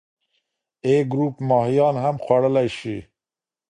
A ګروپ ماهیان هم خوړلی شي.